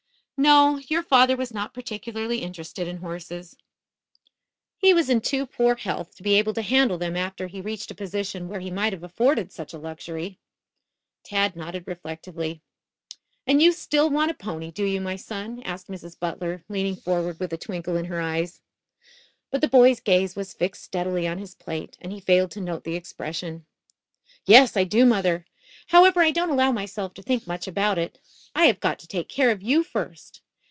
"No, your father was not particularly interested in horses. He was in too poor health to be able to handle them after he reached a position where he might have afforded such a luxury." Tad nodded reflectively. "And you still want a pony, do you, my son?" asked Mrs. Butler, leaning forward with a twinkle in her eyes. But the boy's gaze was fixed steadily on his plate and he failed to note the expression. "Yes, I do, mother. However, I don't allow myself to think much about it. I have got to take care of you, first.